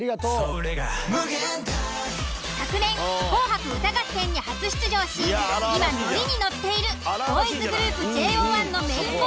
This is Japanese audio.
俺が無限大昨年「紅白歌合戦」に初出場し今乗りに乗っているボーイズグループＪＯ１のメインボ―